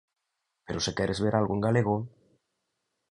Pero se queres ver algo en galego...